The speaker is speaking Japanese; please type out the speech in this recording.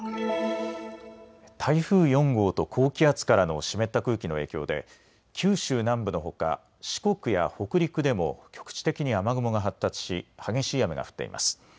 台風４号と高気圧からの湿った空気の影響で九州南部のほか四国や北陸でも局地的に雨雲が発達し激しい雨が降っています。